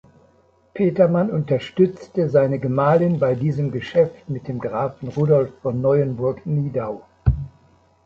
Petermann unterstützte seine Gemahlin bei diesem Geschäft mit dem Grafen Rudolf von Neuenburg-Nidau.